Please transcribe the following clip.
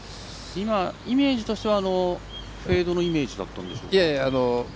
イメージとしてはフェードのイメージだったんでしょうか。